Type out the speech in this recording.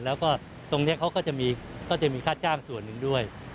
แล้วก็ตรงนี้เขาก็จะมีค่าจ้างส่วนหนึ่งด้วย